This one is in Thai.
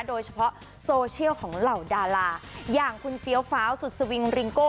โดยเฉพาะโซเชียลของเหล่าดาราอย่างคุณเฟี้ยวฟ้าวสุดสวิงริงโก้